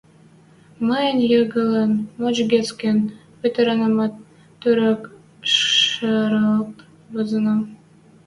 Мӹнь янгылен, моч гӹц кен пӹтенӓмӓт, тӧрӧк шыралт вазынам...